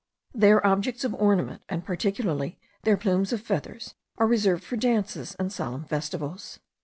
Their objects of ornament, and particularly their plumes of feathers, are reserved for dances and solemn festivals.